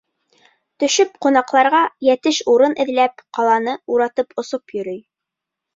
Төшөп ҡунаҡларға йәтеш урын эҙләп, ҡаланы уратып осоп йөрөй.